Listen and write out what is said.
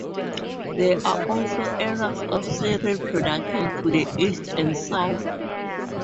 There are also areas of cereal production to the east and south.